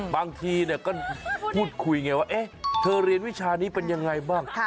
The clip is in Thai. บางทีก็พูดคุยอย่างไรว่าเอ๊ะเธอเรียนวิชานี้เป็นอย่างไรบ้าง